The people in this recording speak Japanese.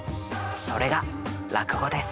それが落語です。